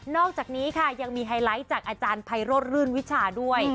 อกจากนี้ค่ะยังมีไฮไลท์จากอาจารย์ไพโรธรื่นวิชาด้วย